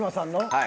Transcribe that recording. はい。